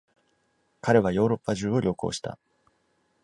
彼はヨーロッパ中を旅行した。